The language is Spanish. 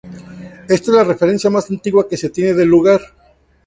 Ésta es la referencia más antigua que se tiene del lugar.